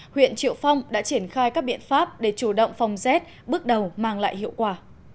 huyện triệu phong đã triển khai các biện pháp để chủ động phòng rét bước đầu mang lại hiệu quả